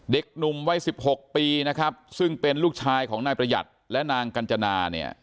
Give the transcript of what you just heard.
เด็กหนุ่มวัยสิบหกปีนะครับซึ่งเป็นลูกชายของนายประหยัดและนางกัญจนาเนี่ย